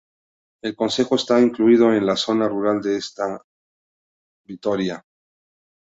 El concejo está incluido en la Zona Rural Este de Vitoria.